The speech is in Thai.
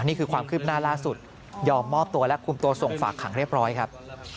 นี่คือความคืบหน้าล่าสุดยอมมอบตัวและคุมตัวส่งฝากขังเรียบร้อยครับ